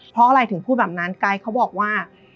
เพราะอะไรถึงพูดแบบนั้นไกด์เขาบอกว่า